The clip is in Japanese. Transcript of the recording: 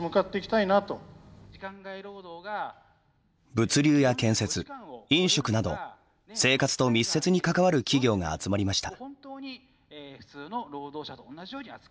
物流や建設、飲食など生活と密接に関わる企業が集まりました。